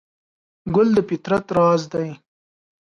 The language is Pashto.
ګل د فطرت راز دی.